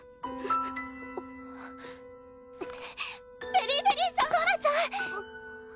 ベリィベリーさんソラちゃん！